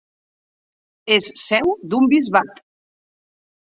És seu d'un bisbat.